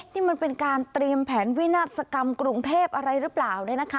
นี่มันเป็นการเตรียมแผนวินาศกรรมกรุงเทพอะไรหรือเปล่าเนี่ยนะคะ